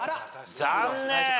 残念！